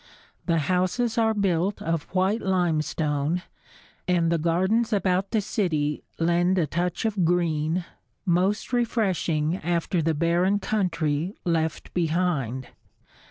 The houses are built of white limestone and the gardens about the city lend a touch of green, most refreshing after the barren country left behind.